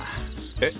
えっ？